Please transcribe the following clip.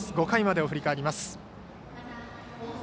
５回までを振り返ります。